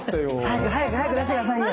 早く早く早く出して下さいよ。